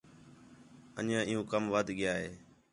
انڄیاں عِیّوں کَم وَدھ ڳِیا ہِے